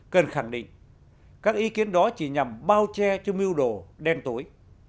cần khẳng định các ý kiến đó chỉ nhằm bao che cho mưu đồ đen tối